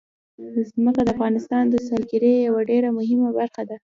ځمکه د افغانستان د سیلګرۍ یوه ډېره مهمه برخه ده.